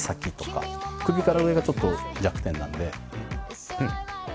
首から上がちょっと弱点なんで。